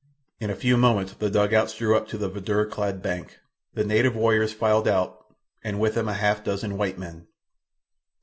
In a few moments the dugouts drew up to the verdure clad bank. The native warriors filed out, and with them a half dozen white men.